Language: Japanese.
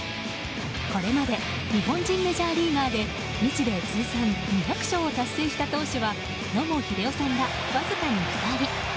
これまで日本人メジャーリーガーで日米通算２００勝を達成した投手は野茂英雄さんら、わずかに２人。